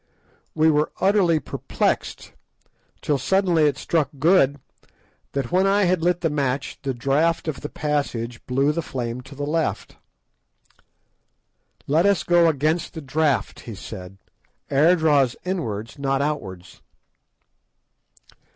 We were utterly perplexed, till suddenly it struck Good that when I had lit the match the draught of the passage blew the flame to the left. "Let us go against the draught," he said; "air draws inwards, not outwards."